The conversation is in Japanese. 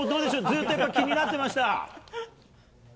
ずっとやっぱり今、気になってました？